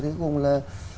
thế cùng là